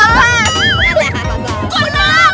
กรุงเทพค่ะ